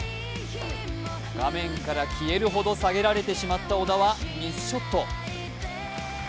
画面から消えるほど下げられてしまった小田はミスショット。